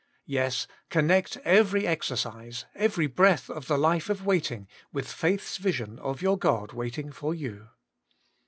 Yes, connect every exercise, every breath of the life of waiting, with faith's vision of your God waiting for you.